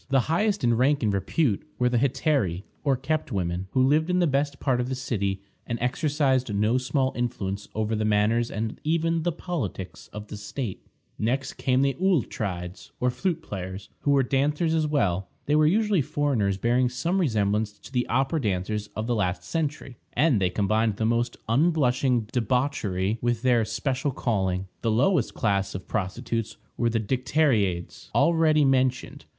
The highest in rank and repute were the Hetairæ, or kept women, who lived in the best part of the city, and exercised no small influence over the manners and even the politics of the state. Next came the Auletrides, or flute players, who were dancers as well. They were usually foreigners, bearing some resemblance to the opera dancers of the last century, and they combined the most unblushing debauchery with their special calling. The lowest class of prostitutes were the Dicteriades, already mentioned.